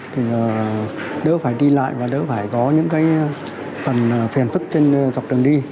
thì đỡ phải đi lại và đỡ phải có những cái phần phiền phức dọc đường đi